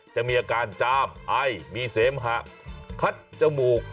จะมีอาการจามไอมีเสมหะคัดจมูก